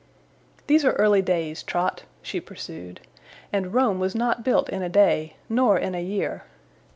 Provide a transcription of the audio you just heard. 'These are early days, Trot,' she pursued, 'and Rome was not built in a day, nor in a year.